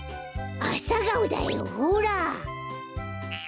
アサガオだよほら！